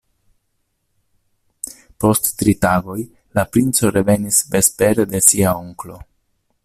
Post tri tagoj la princo revenis vespere de sia onklo.